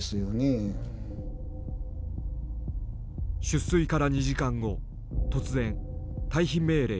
出水から２時間後突然退避命令が出された。